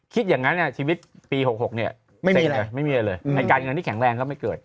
คิดอย่างนั้นเนี่ยชีวิตปี๖๖เนี่ยไม่มีอะไรในการเงินที่แข็งแรงก็ไม่เกิด